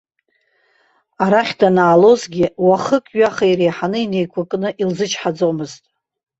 Арахь данаалозгьы, уахык-ҩаха иреиҳаны инеиқәкны илзычҳаӡомызт.